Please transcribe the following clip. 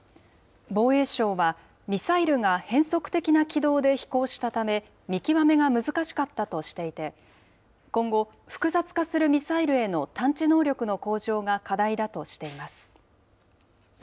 防衛省は、ミサイルが変則的な軌道で飛行したため、見極めが難しかったとしていて、今後、複雑化するミサイルへの探知能力の向上が課題だとしています。